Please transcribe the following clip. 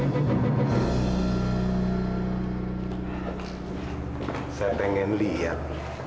saya pengen lihat